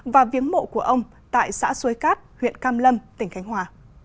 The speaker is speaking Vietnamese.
và viếng mộ của ông tại xã suối cát huyện cam lâm tỉnh khánh hòa